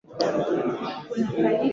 Binamu ameacha kelele.